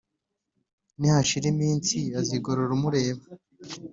nihashira iminsi azigorora umureba